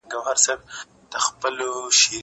زه پرون لوبه کوم؟!